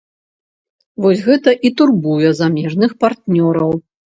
Вось гэта і турбуе замежных партнёраў.